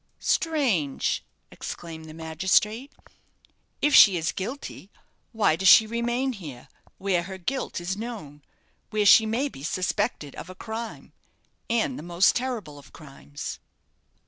"Strange!" exclaimed the magistrate. "If she is guilty, why does she remain here, where her guilt is known where she maybe suspected of a crime, and the most terrible of crimes?"